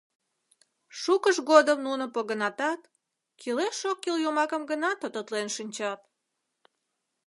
Шукыж годым нуно погынатат, кӱлеш-оккӱл йомакым гына тототлен шинчат.